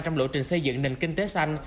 trong lộ trình xây dựng nền kinh tế xanh